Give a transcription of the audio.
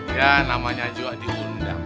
ya namanya juhadi undang